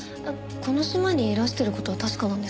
この島にいらしてる事は確かなんですか？